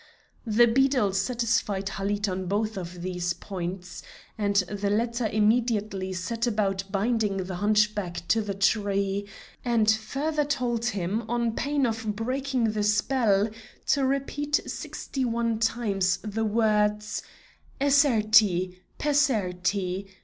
The beadle satisfied Halid on both of these points, and the latter immediately set about binding the hunchback to the tree, and further told him, on pain of breaking the spell, to repeat sixty one times the words: 'Esserti! Pesserti!